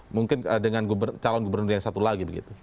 mungkin dengan calon gubernur yang satu lagi begitu